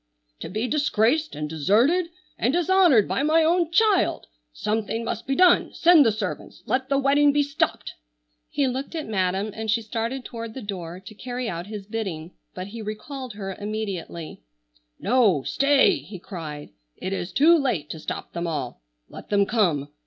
"To be disgraced and deserted and dishonored by my own child! Something must be done. Send the servants! Let the wedding be stopped!" He looked at Madam and she started toward the door to carry out his bidding, but he recalled her immediately. "No, stay!" he cried. "It is too late to stop them all. Let them come.